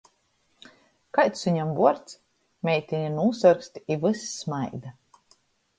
Kaids suņam vuords? Meitine nūsorkst i vys smaida.